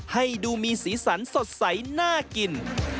ให้ดูมีสีสันสดใสน่ากิน